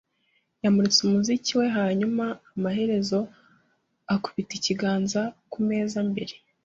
yamuritse umuziki we, hanyuma amaherezo akubita ikiganza ku meza mbere